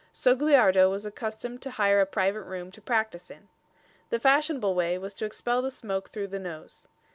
Sogliardo was accustomed to hire a private room to practise in. The fashionable way was to expel the smoke through the nose.